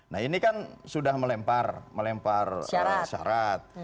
nah ini kan sudah melempar syarat